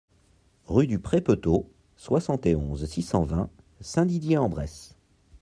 Rue du Pré Peutot, soixante et onze, six cent vingt Saint-Didier-en-Bresse